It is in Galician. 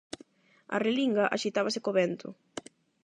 A relinga axitábase co vento.